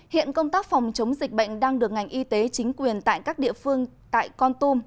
hiện công tác phòng chống dịch bệnh đang được ngành y tế chính quyền tại các địa phương tại con tum